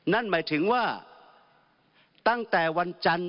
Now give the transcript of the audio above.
นั่นหมายถึงว่าตั้งแต่วันจันทร์